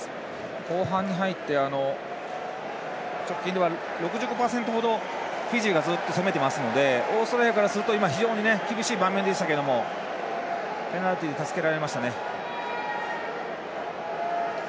後半に入って直近では６５％程フィジーがずっと攻めてますのでオーストラリアからすると非常に厳しい場面でしたけどペナルティで助けられましたね。